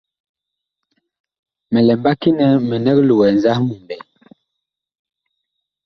Mi lɛ mbaki nɛ minig loɛ nzahmu ɓɛɛŋ.